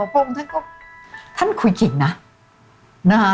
พระองค์ท่านก็ท่านคุยจริงนะ